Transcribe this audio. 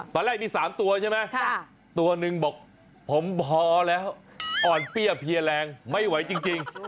ตอนแรกมี๓ตัวใช่ไหมตัวหนึ่งบอกผมพอแล้วอ่อนเปี้ยเพลียแรงไม่ไหวจริง